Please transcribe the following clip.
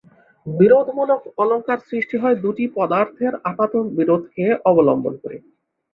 বিরোধমূলক অলঙ্কার সৃষ্টি হয় দুটি পদার্থের আপাত বিরোধকে অবলম্বন করে।